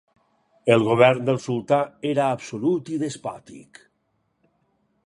El govern del sultà era absolut i despòtic.